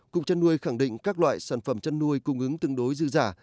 cục chân nuôi khẳng định các loại sản phẩm chân nuôi cung ứng tương đối dư giả